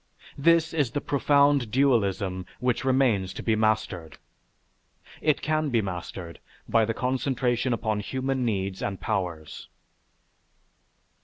This is the profound dualism which remains to be mastered. It can be mastered by the concentration upon human needs and powers.